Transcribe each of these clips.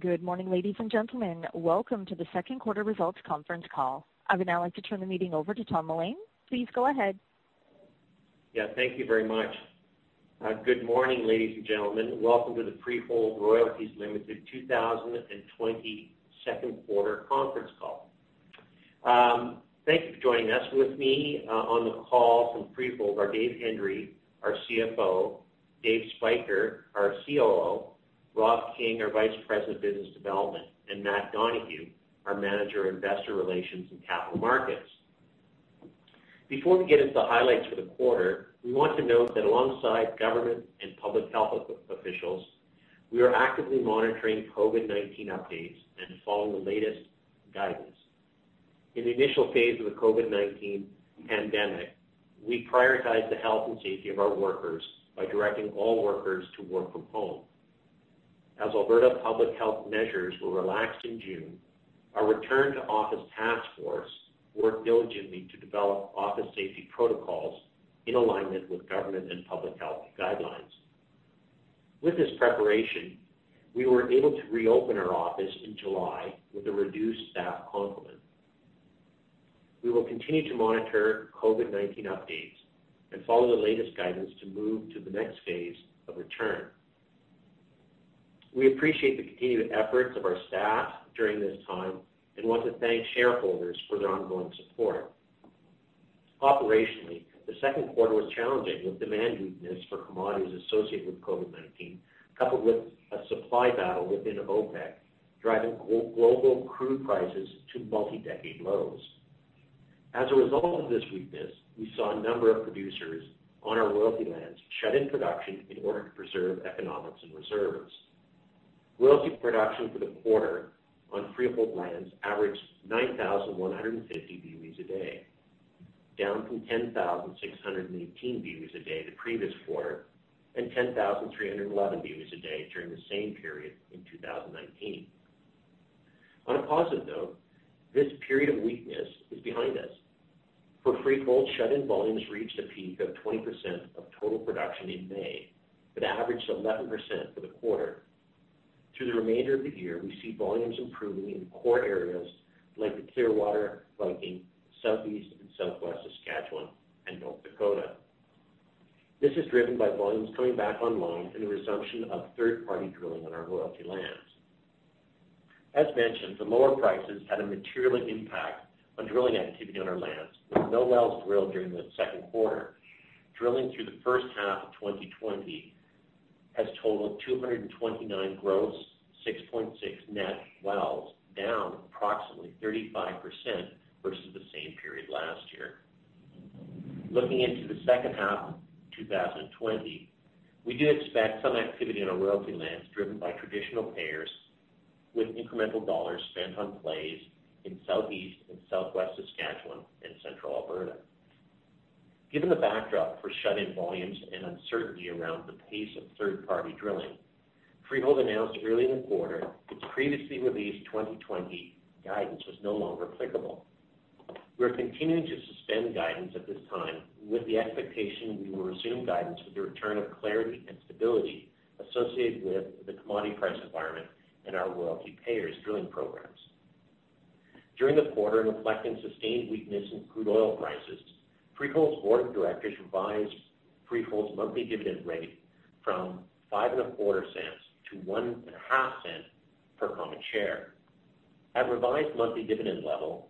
Good morning, ladies and gentlemen. Welcome to the second quarter results conference call. I would now like to turn the meeting over to Tom Mullane. Please go ahead. Yeah, thank you very much. Good morning, ladies and gentlemen. Welcome to the Freehold Royalties Ltd. 2020 second quarter conference call. Thank you for joining us. With me on the call from Freehold are Dave Hendry, our CFO, Dave Spyker, our COO, Rob King, our Vice President of Business Development, and Matt Donohue, our Manager of Investor Relations and Capital Markets. Before we get into the highlights for the quarter, we want to note that alongside government and public health officials, we are actively monitoring COVID-19 updates and following the latest guidance. In the initial phase of the COVID-19 pandemic, we prioritized the health and safety of our workers by directing all workers to work from home. As Alberta public health measures were relaxed in June, our return to office task force worked diligently to develop office safety protocols in alignment with government and public health guidelines. With this preparation, we were able to reopen our office in July with a reduced staff complement. We will continue to monitor COVID-19 updates and follow the latest guidance to move to the next phase of return. We appreciate the continued efforts of our staff during this time and want to thank shareholders for their ongoing support. Operationally, the second quarter was challenging with demand weakness for commodities associated with COVID-19, coupled with a supply battle within OPEC, driving global crude prices to multi-decade lows. As a result of this weakness, we saw a number of producers on our royalty lands shut in production in order to preserve economics and reserves. Royalty production for the quarter on Freehold lands averaged 9,150 BOEs a day, down from 10,618 BOEs a day the previous quarter and 10,311 BOEs a day during the same period in 2019. On a positive note, this period of weakness is behind us. For Freehold, shut-in volumes reached a peak of 20% of total production in May but averaged 11% for the quarter. Through the remainder of the year, we see volumes improving in core areas like the Clearwater, Viking, Southeast and Southwest Saskatchewan, and North Dakota. As mentioned, the lower prices had a material impact on drilling activity on our lands, with no wells drilled during the second quarter. Drilling through the first half of 2020 has totaled 229 gross, 6.6 net wells, down approximately 35% versus the same period last year. Looking into the second half of 2020, we do expect some activity on our royalty lands driven by traditional payers, with incremental dollars spent on plays in Southeast and Southwest Saskatchewan and Central Alberta. Given the backdrop for shut-in volumes and uncertainty around the pace of third-party drilling, Freehold announced early in the quarter its previously released 2020 guidance was no longer applicable. We're continuing to suspend guidance at this time with the expectation we will resume guidance with the return of clarity and stability associated with the commodity price environment and our royalty payers' drilling programs. During the quarter, reflecting sustained weakness in crude oil prices, Freehold's board of directors revised Freehold's monthly dividend rate from 0.0525 to 0.015 per common share. At revised monthly dividend level,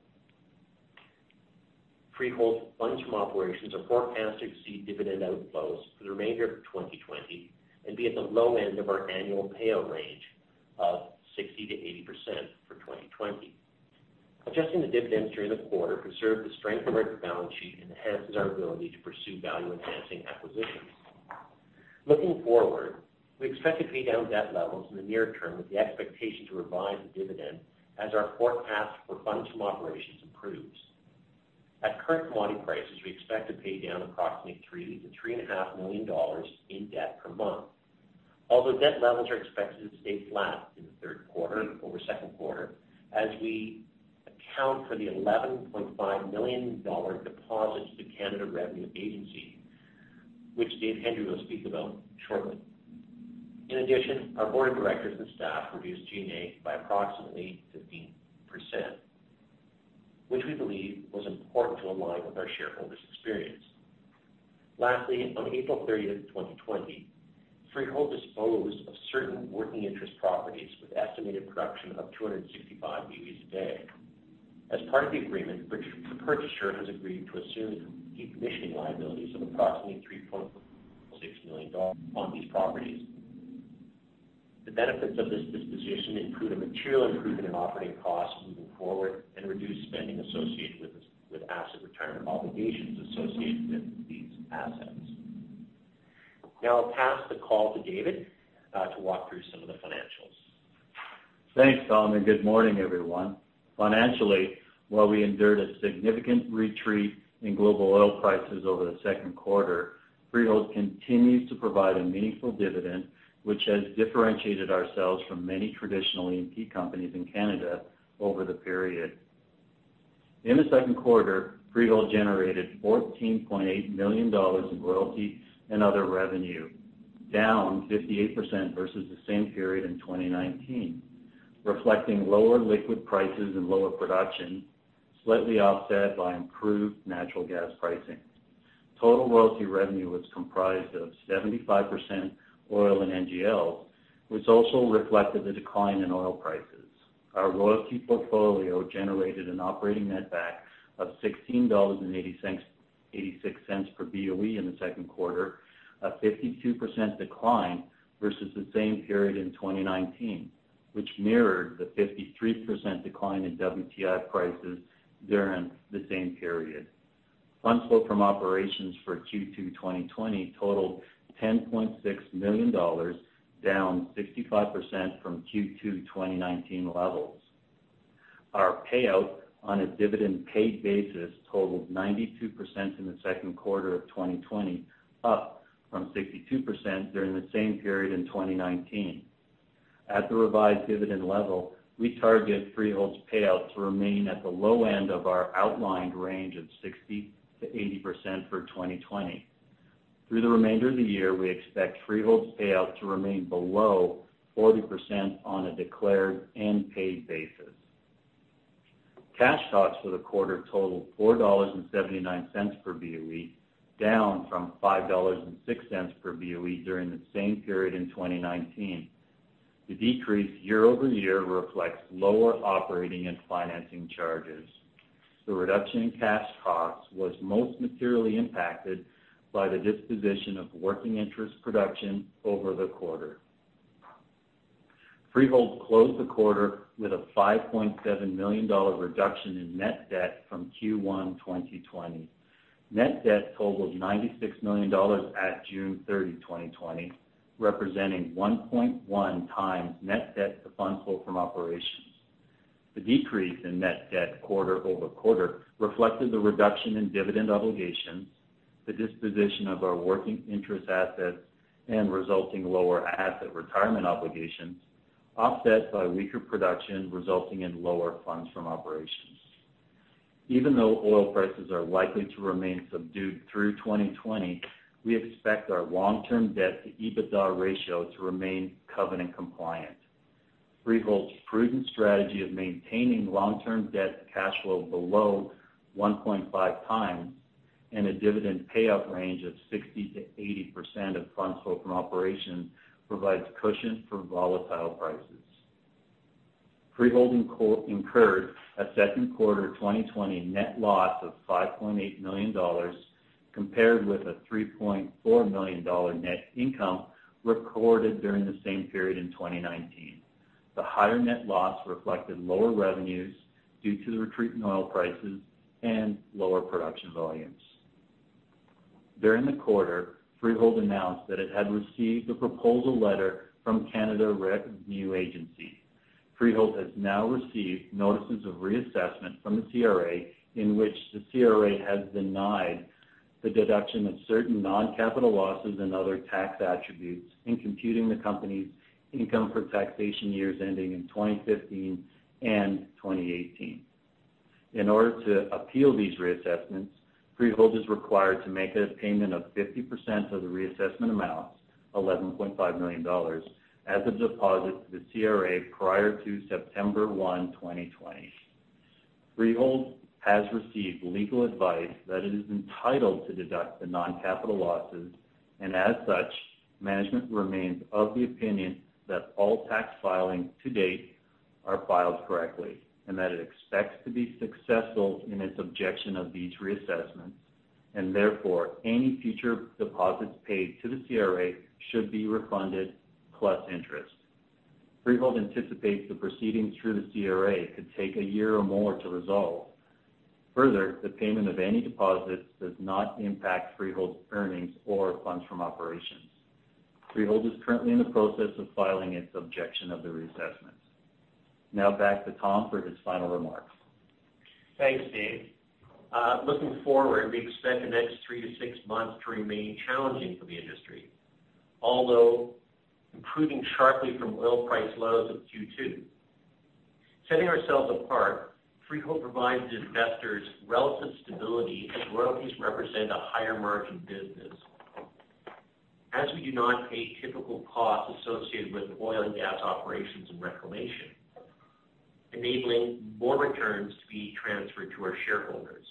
Freehold's funds from operations are forecasted to exceed dividend outflows for the remainder of 2020 and be at the low end of our annual payout range of 60%-80% for 2020. Adjusting the dividends during the quarter preserved the strength of our balance sheet and enhances our ability to pursue value-enhancing acquisitions. Looking forward, we expect to pay down debt levels in the near term with the expectation to revise the dividend as our forecast for funds from operations improves. At current commodity prices, we expect to pay down approximately 3 million-3.5 million dollars in debt per month. Although debt levels are expected to stay flat in the third quarter over the second quarter, as we account for the 11.5 million dollar deposit to the Canada Revenue Agency, which Dave Hendry will speak about shortly. In addition, our board of directors and staff reduced G&A by approximately 15%, which we believe was important to align with our shareholders' experience. Lastly, on April 30th, 2020, Freehold disposed of certain working interest properties with estimated production of 265 BOEs a day. As part of the agreement, the purchaser has agreed to assume decommissioning liabilities of approximately 3.6 million dollars on these properties. The benefits of this disposition include a material improvement in operating costs moving forward and reduced spending associated with asset retirement obligations associated with these assets. Now I'll pass the call to David to walk through some of the financials. Thanks, Tom, and good morning, everyone. Financially, while we endured a significant retreat in global oil prices over the second quarter, Freehold continues to provide a meaningful dividend, which has differentiated ourselves from many traditional E&P companies in Canada over the period. In the second quarter, Freehold generated 14.8 million dollars in royalty and other revenue, down 58% versus the same period in 2019, reflecting lower liquid prices and lower production, slightly offset by improved natural gas pricing. Total royalty revenue was comprised of 75% oil and NGL, which also reflected the decline in oil prices. Our royalty portfolio generated an operating net back of 16.86 dollars per BOE in the second quarter, a 52% decline versus the same period in 2019, which mirrored the 53% decline in WTI prices during the same period. Funds flow from operations for Q2 2020 totaled 10.6 million dollars, down 65% from Q2 2019 levels. Our payout on a dividend paid basis totaled 92% in the second quarter of 2020, up from 62% during the same period in 2019. At the revised dividend level, we target Freehold's payout to remain at the low end of our outlined range of 60%-80% for 2020. Through the remainder of the year, we expect Freehold's payout to remain below 40% on a declared and paid basis. Cash costs for the quarter totaled 4.79 dollars per BOE, down from 5.06 dollars per BOE during the same period in 2019. The decrease year-over-year reflects lower operating and financing charges. The reduction in cash costs was most materially impacted by the disposition of working interest production over the quarter. Freehold closed the quarter with a 5.7 million dollar reduction in net debt from Q1 2020. Net debt totaled 96 million dollars at June 30, 2020, representing 1.1x net debt to funds flow from operations. The decrease in net debt quarter-over-quarter reflected the reduction in dividend obligations, the disposition of our working interest assets, and resulting lower asset retirement obligations, offset by weaker production resulting in lower funds from operations. Even though oil prices are likely to remain subdued through 2020, we expect our long-term debt to EBITDA ratio to remain covenant compliant. Freehold's prudent strategy of maintaining long-term debt to cash flow below 1.5 times and a dividend payout range of 60%-80% of funds flow from operations provides cushion for volatile prices. Freehold incurred a second quarter 2020 net loss of 5.8 million dollars, compared with a 3.4 million dollar net income recorded during the same period in 2019. The higher net loss reflected lower revenues due to the retreat in oil prices and lower production volumes. During the quarter, Freehold announced that it had received a proposal letter from Canada Revenue Agency. Freehold has now received notices of reassessment from the CRA, in which the CRA has denied the deduction of certain non-capital losses and other tax attributes in computing the company's income for taxation years ending in 2015 and 2018. In order to appeal these reassessments, Freehold is required to make a payment of 50% of the reassessment amounts, 11.5 million dollars, as a deposit to the CRA prior to September 1, 2020. Freehold has received legal advice that it is entitled to deduct the non-capital losses, and as such, management remains of the opinion that all tax filings to date are filed correctly, and that it expects to be successful in its objection of these reassessments. Therefore, any future deposits paid to the CRA should be refunded, plus interest. Freehold anticipates the proceedings through the CRA could take one year or more to resolve. Further, the payment of any deposits does not impact Freehold's earnings or funds from operations. Freehold is currently in the process of filing its objection of the reassessments. Now back to Tom for his final remarks. Thanks, Dave. Looking forward, we expect the next three to six months to remain challenging for the industry, although improving sharply from oil price lows of Q2. Setting ourselves apart, Freehold provides investors relative stability, as royalties represent a higher margin business, as we do not pay typical costs associated with oil and gas operations and reclamation, enabling more returns to be transferred to our shareholders.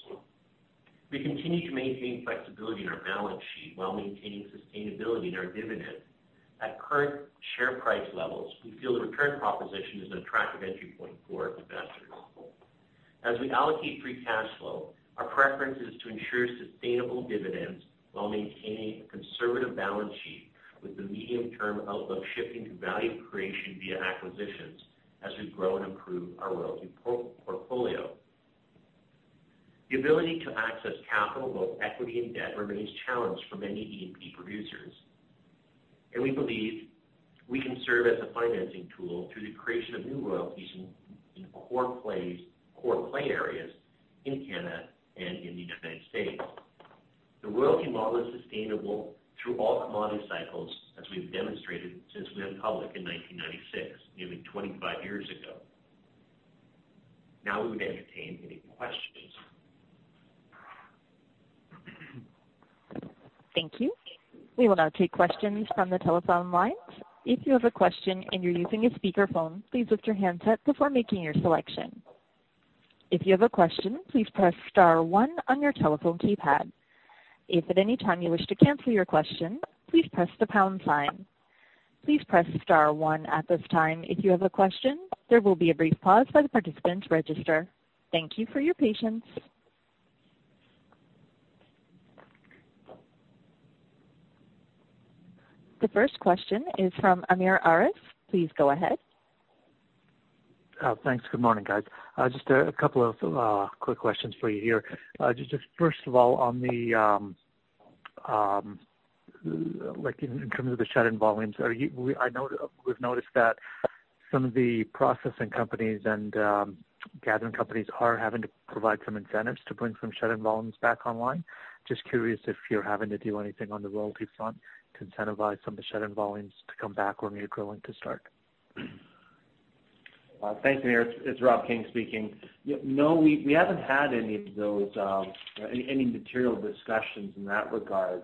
We continue to maintain flexibility in our balance sheet while maintaining sustainability in our dividend. At current share price levels, we feel the return proposition is an attractive entry point for investors. As we allocate free cash flow, our preference is to ensure sustainable dividends while maintaining a conservative balance sheet with the medium-term outlook shifting to value creation via acquisitions as we grow and improve our royalty portfolio. The ability to access capital, both equity and debt, remains challenged for many E&P producers, and we believe we can serve as a financing tool through the creation of new royalties in core play areas in Canada and in the United States. The royalty model is sustainable through all commodity cycles, as we've demonstrated since we went public in 1996, nearly 25 years ago. Now we would entertain any questions. Thank you. We will now take questions from the telephone lines. If you have a question and you're using a speakerphone, please lift your handset before making your selection. If you have a question, please press star one on your telephone keypad. If at any time you wish to cancel your question, please press the pound sign. Please press star one at this time if you have a question. There will be a brief pause for the participant register. Thank you for your patience. The first question is from Amir Arif. Please go ahead. Thanks. Good morning, guys. Just a couple of quick questions for you here. Just first of all, in terms of the shut-in volumes, we've noticed that some of the processing companies and gathering companies are having to provide some incentives to bring some shut-in volumes back online. Just curious if you're having to do anything on the royalty front to incentivize some of the shut-in volumes to come back when you're drilling to start. Thanks, Amir. It's Rob King speaking. No, we haven't had any of those, any material discussions in that regard.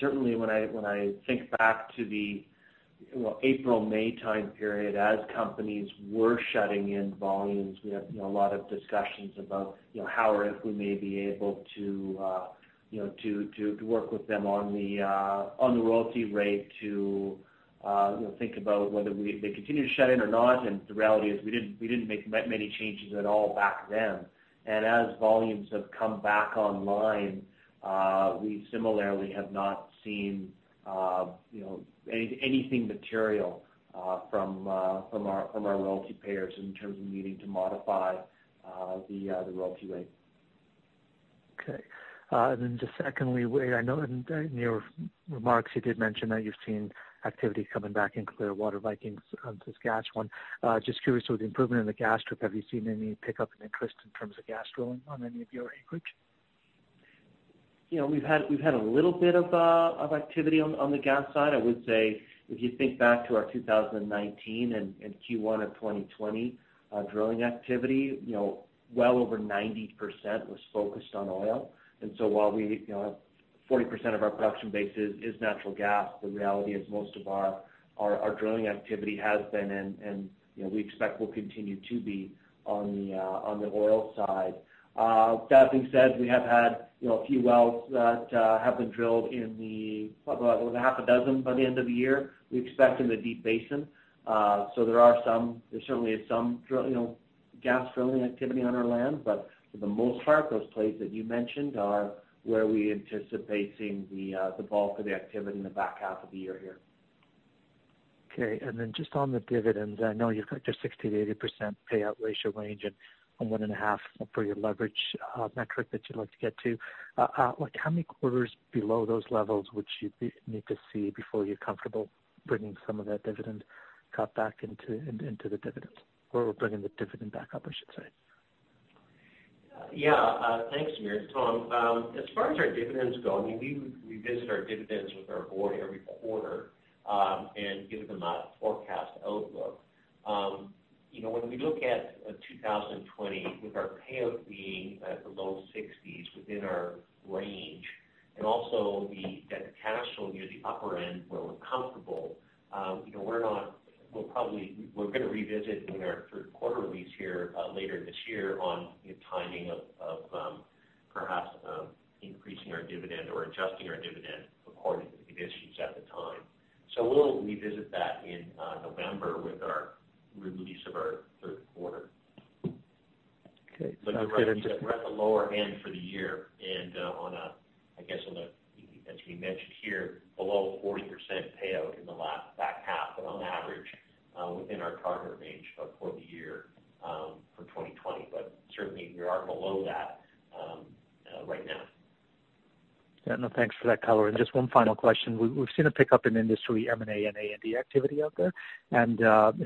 Certainly, when I think back to the April, May time period, as companies were shutting in volumes, we had a lot of discussions about how or if we may be able to work with them on the royalty rate to think about whether they continue to shut in or not. The reality is we didn't make many changes at all back then. As volumes have come back online, we similarly have not seen anything material from our royalty payers in terms of needing to modify the royalty rate. Okay. Just secondly, I know in your remarks you did mention that you've seen activity coming back in Clearwater, Viking, Saskatchewan. Just curious, with the improvement in the gas strip, have you seen any pickup in interest in terms of gas drilling on any of your acreage? We've had a little bit of activity on the gas side. I would say if you think back to our 2019 and Q1 of 2020 drilling activity, well over 90% was focused on oil. While 40% of our production base is natural gas, the reality is most of our drilling activity has been, and we expect will continue to be, on the oil side. That being said, we have had a few wells that have been drilled over half a dozen by the end of the year, we expect in the Deep Basin. There certainly is some gas drilling activity on our land. For the most part, those plays that you mentioned are where we anticipate seeing the bulk of the activity in the back half of the year here. Okay, just on the dividends, I know you've got your 60%-80% payout ratio range and 1.5 for your leverage metric that you'd like to get to. How many quarters below those levels would you need to see before you're comfortable bringing some of that dividend cut back into the dividends? Bringing the dividend back up, I should say. Thanks, Amir. It's Tom. As far as our dividends go, we revisit our dividends with our board every quarter and give them a forecast outlook. When we look at 2020, with our payout being at the low 60s within our range, and also that the cash flow near the upper end where we're comfortable, we're going to revisit in our third quarter release here later this year on the timing of perhaps increasing our dividend or adjusting our dividend according to the conditions at the time. We'll revisit that in November with our release of our third quarter. Okay. We're at the lower end for the year and I guess as we mentioned here, below 40% payout in the back half, but on average within our target range for the year for 2020. Certainly we are below that right now. Yeah, no, thanks for that color. Just one final question. We've seen a pickup in industry M&A and A&D activity out there.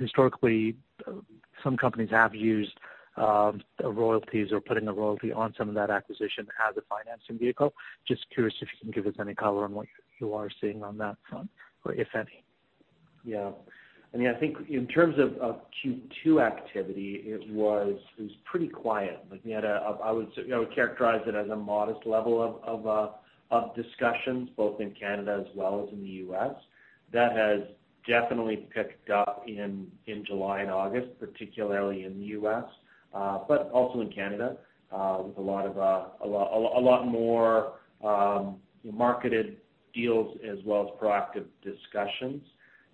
Historically, some companies have used royalties or putting a royalty on some of that acquisition as a financing vehicle. Just curious if you can give us any color on what you are seeing on that front, or if any. Yeah. I think in terms of Q2 activity, it was pretty quiet. I would characterize it as a modest level of discussions, both in Canada as well as in the U.S. That has definitely picked up in July and August, particularly in the U.S., but also in Canada, with a lot more marketed deals as well as proactive discussions.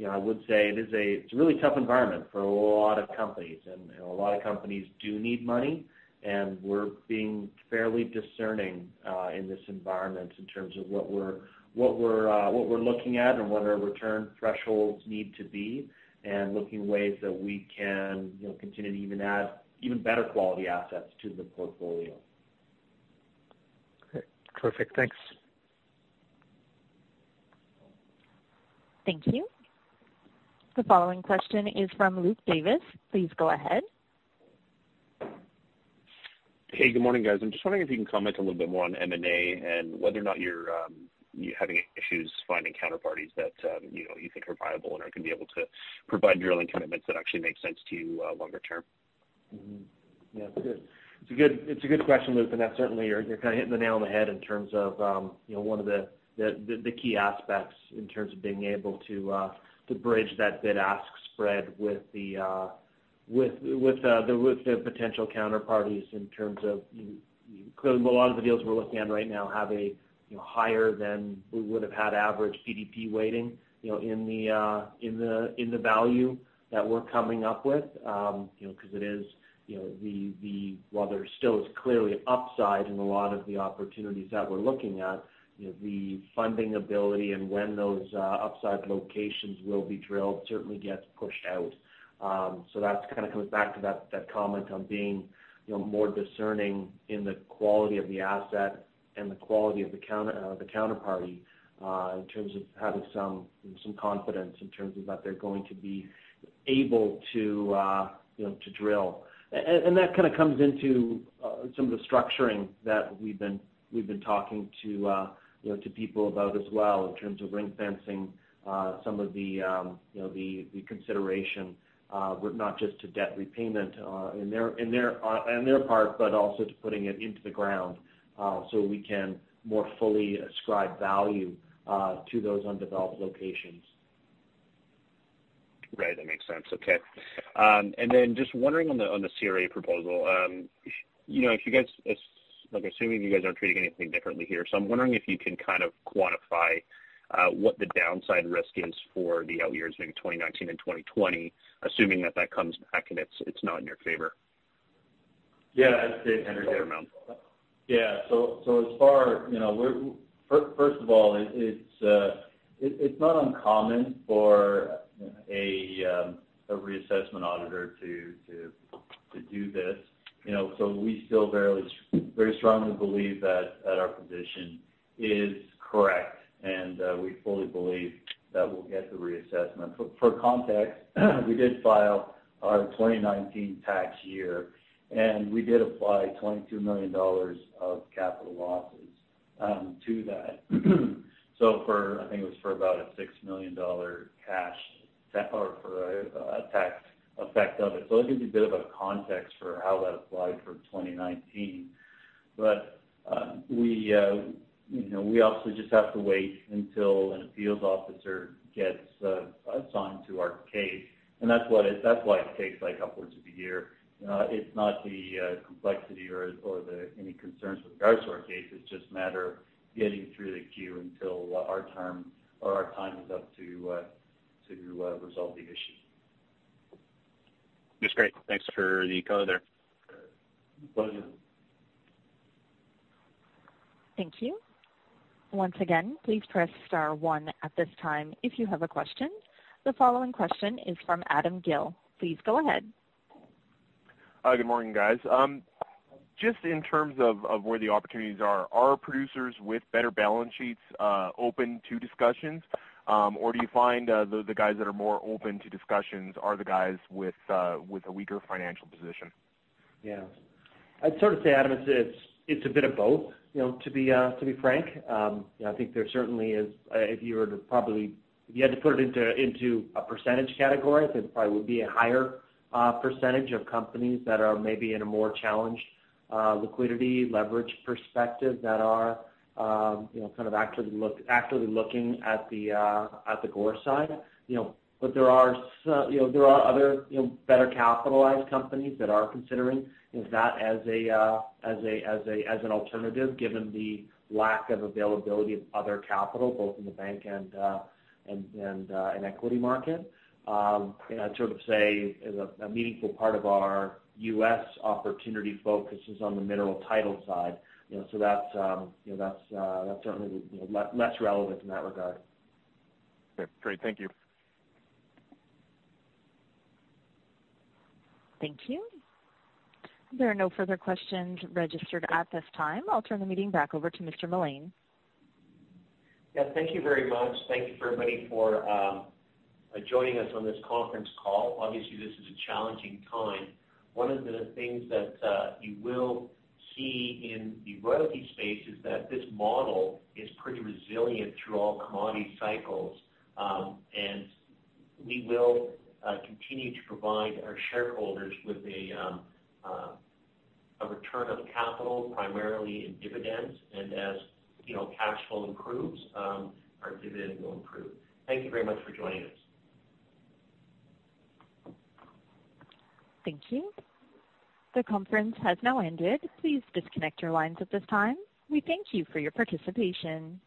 I would say it's a really tough environment for a lot of companies, and a lot of companies do need money, and we're being fairly discerning in this environment in terms of what we're looking at and what our return thresholds need to be and looking at ways that we can continue to even add even better quality assets to the portfolio. Okay, perfect. Thanks. Thank you. The following question is from Luke Davis. Please go ahead. Hey, good morning, guys. I'm just wondering if you can comment a little bit more on M&A and whether or not you're having issues finding counterparties that you think are viable and are going to be able to provide drilling commitments that actually make sense to you longer term. Mm-hmm. Yeah, it's a good question, Luke, and that certainly you're kind of hitting the nail on the head in terms of one of the key aspects in terms of being able to bridge that bid-ask spread with the potential counterparties because a lot of the deals we're looking at right now have a higher than we would've had average PDP weighting in the value that we're coming up with. While there still is clearly upside in a lot of the opportunities that we're looking at, the funding ability and when those upside locations will be drilled certainly gets pushed out. That kind of comes back to that comment on being more discerning in the quality of the asset and the quality of the counterparty, in terms of having some confidence in terms of that they're going to be able to drill. That kind of comes into some of the structuring that we've been talking to people about as well, in terms of ring fencing some of the consideration, with not just to debt repayment on their part, but also to putting it into the ground, so we can more fully ascribe value to those undeveloped locations. Right. That makes sense. Okay. Just wondering on the CRA proposal. I'm assuming you guys aren't treating anything differently here, so I'm wondering if you can kind of quantify what the downside risk is for the out years, maybe 2019 and 2020, assuming that that comes back and it's not in your favor. Yeah In a fair amount. Yeah. First of all, it's not uncommon for a reassessment auditor to do this. We still very strongly believe that our position is correct, and we fully believe that we'll get the reassessment. For context, we did file our 2019 tax year, and we did apply 22 million dollars of capital losses to that. I think it was for about a 6 million dollar cash, or for a tax effect of it. It gives you a bit of a context for how that applied for 2019. We obviously just have to wait until an appeals officer gets assigned to our case. That's why it takes upwards of a year. It's not the complexity or any concerns with regards to our case, it's just a matter of getting through the queue until our time is up to resolve the issue. That's great. Thanks for the color there. Pleasure. Thank you. Once again, please press star one at this time if you have a question. The following question is from Adam Gill. Please go ahead. Good morning, guys. Just in terms of where the opportunities are, Are producers with better balance sheets open to discussions? Do you find the guys that are more open to discussions are the guys with a weaker financial position? Yeah. I'd sort of say, Adam, it's a bit of both, to be frank. I think there certainly is if you had to put it into a percentage category, I think it probably would be a higher percentage of companies that are maybe in a more challenged liquidity leverage perspective that are kind of actively looking at the GOR side. There are other better capitalized companies that are considering if not as an alternative, given the lack of availability of other capital, both in the bank and equity market. I'd sort of say a meaningful part of our U.S. opportunity focus is on the mineral title side, so that's certainly less relevant in that regard. Okay, great. Thank you. Thank you. There are no further questions registered at this time. I'll turn the meeting back over to Mr. Mullane. Yeah, thank you very much. Thank you, everybody, for joining us on this conference call. Obviously, this is a challenging time. One of the things that you will see in the royalty space is that this model is pretty resilient through all commodity cycles. We will continue to provide our shareholders with a return of capital, primarily in dividends. As cash flow improves, our dividend will improve. Thank you very much for joining us. Thank you. The conference has now ended. Please disconnect your lines at this time. We thank you for your participation.